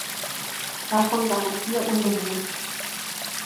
Davon waren vier unbewohnt.